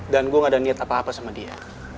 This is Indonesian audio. dan gue gak ada niat apa apa sama dia